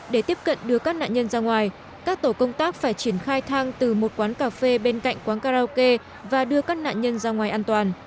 để tiếp cận đưa các nạn nhân ra ngoài các tổ công tác phải triển khai thang từ một quán cà phê bên cạnh quán karaoke và đưa các nạn nhân ra ngoài an toàn